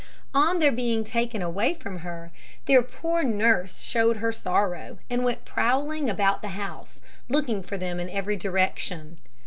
On their being taken away from her, their poor nurse showed her sorrow, and went prowling about the house, looking for them in every direction.